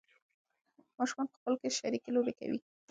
ماشومان په خپلو کې شریکې لوبې کوي.